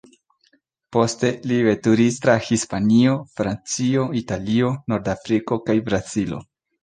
Poste li veturis tra Hispanio, Francio, Italio, Nordafriko kaj Brazilo.